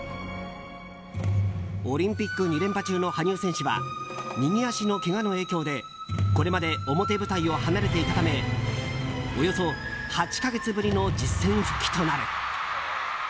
オリンピック２連覇中の羽生選手は右足のけがの影響でこれまで表舞台を離れていたためおよそ８か月ぶりの実戦復帰となる。